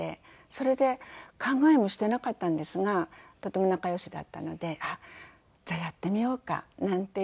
それで考えもしていなかったんですがとても仲良しだったので「じゃあやってみようか」なんて言って。